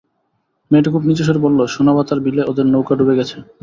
মেয়েটি খুব নিচুস্বরে বলল- সোনাপাতার বিলে ওদের নৌকা ডুবে গেছে।